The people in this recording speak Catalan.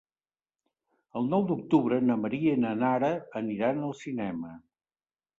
El nou d'octubre na Maria i na Nara aniran al cinema.